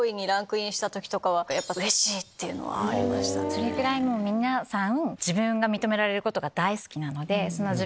それくらい皆さん。